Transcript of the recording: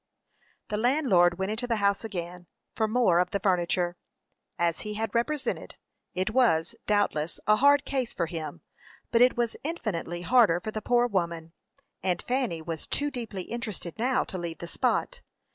The landlord went into the house again, for more of the furniture. As he had represented, it was, doubtless, a hard case for him; but it was infinitely harder for the poor woman, and Fanny was too deeply interested now to leave the spot.